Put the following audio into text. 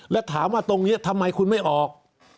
แล้วถามว่าตรงนี้ทำไมคุณไม่ออก